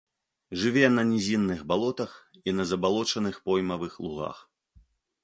Жыве на нізінных балотах і на забалочаных поймавых лугах.